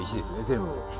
全部。